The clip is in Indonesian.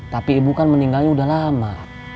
tapi ibu kan meninggalnya udah lama